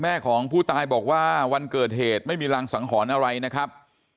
แม่ของผู้ตายบอกว่าวันเกิดเหตุไม่มีรังสังหรณ์อะไรนะครับ